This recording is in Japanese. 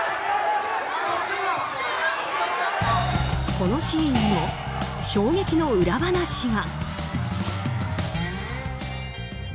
このシーンにも衝撃の裏話が。